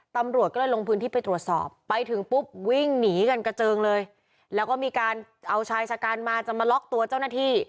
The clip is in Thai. ตำรวจก็เลยลงพื้นที่ไปตรวจสอบไปถึงปุ๊บวิ่งหนีกันกระเจิงเลยแล้วก็มีการเอาชายชะกันมาจะมาล็อกตัวเจ้าหน้าที่